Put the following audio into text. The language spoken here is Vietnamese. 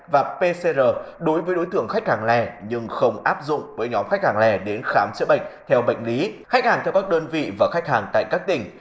và pcr đối với đối tượng khách hàng lẻ nhưng không áp dụng với nhóm khách hàng lẻ đến khám chữa bệnh theo bệnh lý khách hàng theo các đơn vị và khách hàng tại các tỉnh